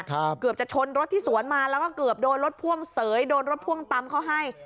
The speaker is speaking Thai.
เกือบจะชนรถที่สวนมาแล้วก็เกือบโดนรถพ่วงเสยโดนรถพ่วงตำเขาให้